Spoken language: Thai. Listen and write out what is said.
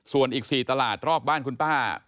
ส่วนอีก๔ตลาดรอบบ้านคุณป้า